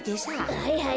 はいはい。